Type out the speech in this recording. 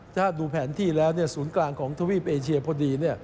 ถ้าดูแผนที่แล้วศูนย์กลางของทวีปเอเชียพอดี